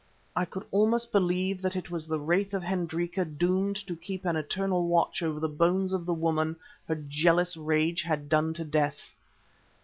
I could almost believe that it was the wraith of Hendrika doomed to keep an eternal watch over the bones of the woman her jealous rage had done to death.